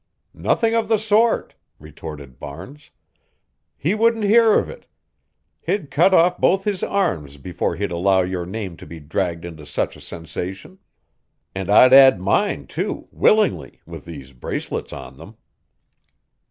"Nothing of the sort," retorted Barnes. "He wouldn't hear of it. He'd cut off both his arms before he'd allow your name to be dragged into such a sensation. And I'd add mine, too, willingly, with these bracelets on them."